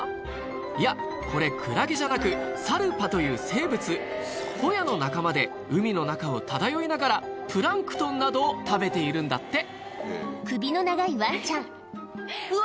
いやこれクラゲじゃなくサルパという生物ホヤの仲間で海の中を漂いながらプランクトンなどを食べているんだって首の長いワンちゃんうわ